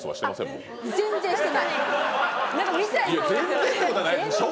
もう全然ってことはないでしょ